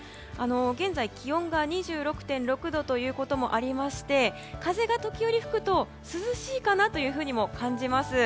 現在、気温が２６．６度ということもありまして風が時折吹くと涼しいかなと感じます。